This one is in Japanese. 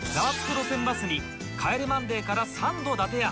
路線バス』に『帰れマンデー』からサンド伊達や